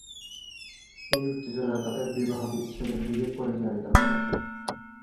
এই উত্তেজনা তাদের বিবাহবিচ্ছেদের দিকে পরিচালিত করে।